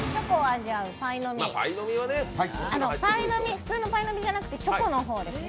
普通のパイの実じゃなくてチョコの方ですね。